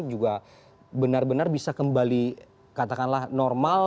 juga benar benar bisa kembali katakanlah normal